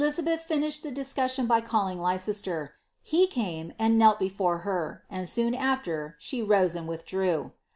S03 Hiabeth finished the discussion by calling Leicester; he came and lelt before her, and soon after she rose and withdrew.